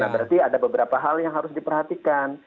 nah berarti ada beberapa hal yang harus diperhatikan